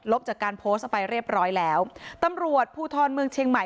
จากการโพสต์ไปเรียบร้อยแล้วตำรวจภูทรเมืองเชียงใหม่